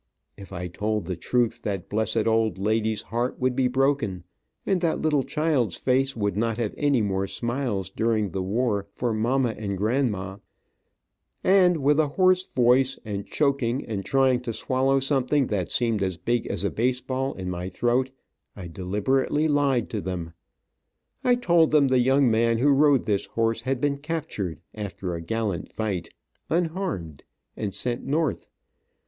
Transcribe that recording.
If I told the truth that blessed old lady's heart would be broken, and that little child's face would not have any more smiles, during the war, for mamma and grandma, and, with a hoarse voice, and choking, and trying to swallow something that seemed as big as a baseball in my throat, I deliberately lied to them. I told them the young man who rode this horse had been captured, after a gallant fight, unharmed, and sent north.